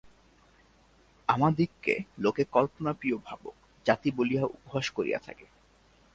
আমাদিগকে লোকে কল্পনাপ্রিয় ভাবুক জাতি বলিয়া উপহাস করিয়া থাকে।